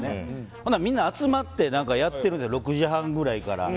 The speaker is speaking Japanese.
ほんならみんな、集まってやってるんです６時半くらいから。